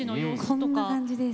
こんな感じです。